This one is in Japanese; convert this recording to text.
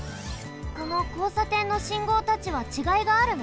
このこうさてんの信号たちはちがいがあるの？